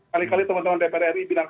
kali kali teman teman dpr ri bilang